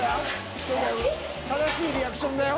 修Δ世正しいリアクションだよ